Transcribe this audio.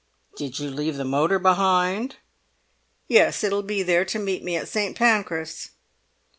"Did you leave the motor behind?" "Yes; it'll be there to meet me at St. Pancras."